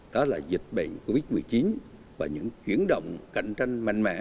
đó là dịch bệnh covid một mươi chín và những chuyển động cạnh tranh mạnh mẽ